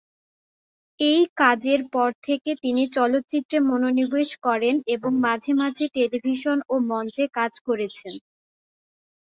এই কাজের পর থেকে তিনি চলচ্চিত্রে মনোনিবেশ করেন এবং মাঝে মাঝে টেলিভিশন ও মঞ্চে কাজ করেছেন।